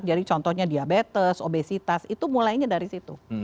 jadi contohnya diabetes obesitas itu mulainya dari situ